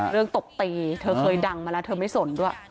ตบตีเธอเคยดังมาแล้วเธอไม่สนด้วย